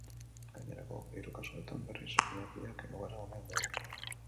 Gainerako hiru kasuetan, berriz, umekiak egoera onean daude.